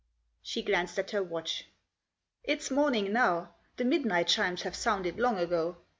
She glanced at her watch. "It's morning now; the midnight chimes have sounded long ago.